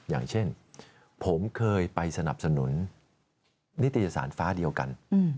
อย่างเช่นผมเคยไปสนับสนุนนิตยสารฟ้าเดียวกัน